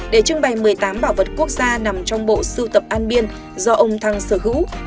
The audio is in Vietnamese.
để trưng bày một mươi tám bảo vật quốc gia nằm trong bộ sưu tập an biên do ông thăng sở hữu